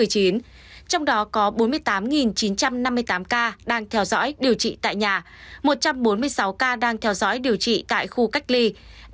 trong đó có bốn mươi tám chín trăm năm mươi tám ca đang theo dõi điều trị tại nhà một trăm bốn mươi sáu ca đang theo dõi điều trị tại khu cách ly